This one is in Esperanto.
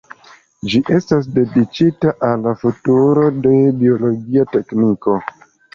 Ĝi estas dediĉita al futuro de biologia tekniko.